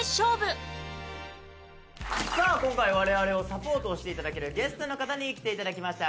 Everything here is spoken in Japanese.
今回我々をサポートして頂けるゲストの方に来て頂きました。